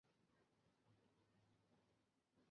顶部则是一块巨大的岩石。